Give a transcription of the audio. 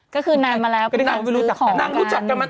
ก็คือนางมาแล้วนางรู้จักกัน